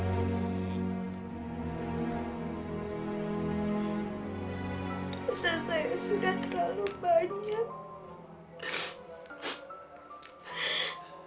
dosa saya sudah terlalu banyak